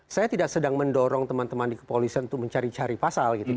saya tidak sedang mendorong teman teman di kepolisian untuk mencari cari pasal gitu